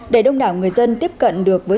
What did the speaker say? để đông đảo người dân tiếp cận được với